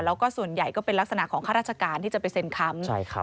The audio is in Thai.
แล้วก็ส่วนใหญ่ก็เป็นลักษณะของข้าราชการที่จะไปเซ็นค้ำ